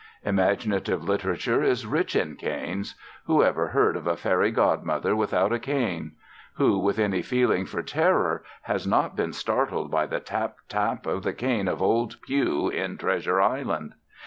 Imaginative literature is rich in canes. Who ever heard of a fairy godmother without a cane? Who with any feeling for terror has not been startled by the tap, tap of the cane of old Pew in "Treasure Island"?